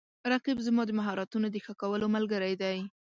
رقیب زما د مهارتونو د ښه کولو ملګری دی